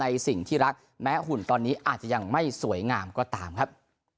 สิ่งที่รักแม้หุ่นตอนนี้อาจจะยังไม่สวยงามก็ตามครับ